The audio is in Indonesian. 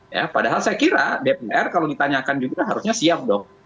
ya padahal saya kira dpr kalau ditanyakan juga harusnya siap dong